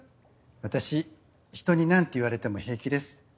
私人に何て言われても平気です。